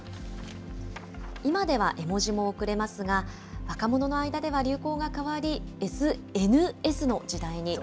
今では絵文字も送れますが、若者の間では流行が変わり、ＳＮＳの時代に。